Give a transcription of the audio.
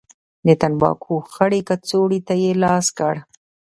د تنباکو خړې کڅوړې ته يې لاس کړ.